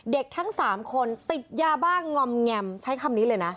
ทั้ง๓คนติดยาบ้างงอมแงมใช้คำนี้เลยนะ